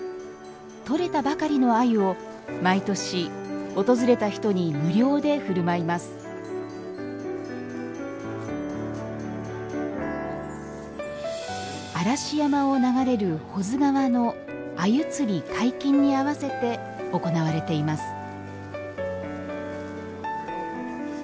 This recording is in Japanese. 取れたばかりの鮎を毎年訪れた人に無料で振る舞います嵐山を流れる保津川の鮎釣り解禁に合わせて行われています